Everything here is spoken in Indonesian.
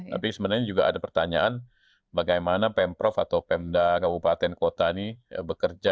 tapi sebenarnya juga ada pertanyaan bagaimana pm prof atau pm daerah kabupaten kota ini bekerja